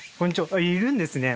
あっいるんですね。